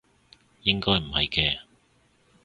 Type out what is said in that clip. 應該唔係嘅